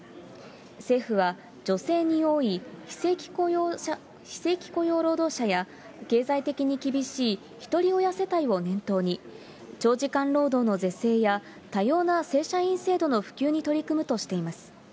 政府は、女性に多い非正規雇用労働者や、経済的に厳しいひとり親世帯を念頭に、長時間労働の是正や多様な正社員制度の普及に取り組むとしています。